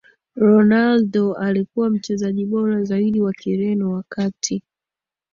Ronaldo alikuwa Mchezaji bora zaidi wa Kireno wakati